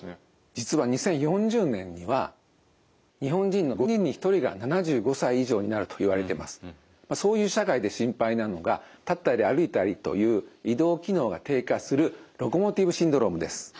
実はそういう社会で心配なのが立ったり歩いたりという移動機能が低下するロコモティブシンドロームです。